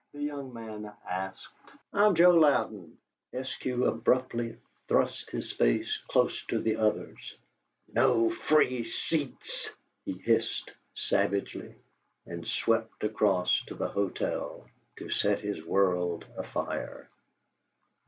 the young man asked. "I'm Joe Louden." Eskew abruptly thrust his face close to the other's. "NO FREE SEATS!" he hissed, savagely; and swept across to the hotel to set his world afire.